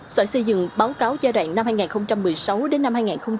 sở xây dựng báo cáo giai đoạn năm hai nghìn một mươi sáu đến năm hai nghìn hai mươi